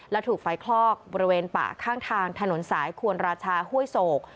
และถูกไฟคลอกบริเวณป่าข้างทางถนนสายควรราชาห้วยโศก